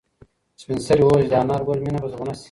سپین سرې وویل چې د انارګل مېنه به زرغونه شي.